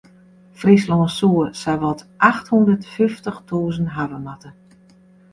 Fryslân soe sawat acht hûndert fyftich tûzen hawwe moatte.